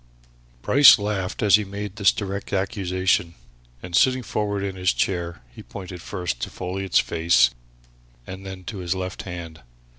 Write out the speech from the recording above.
Bryce laughed as he made this direct accusation, and sitting forward in his chair, pointed first to Folliot's face and then to his left hand.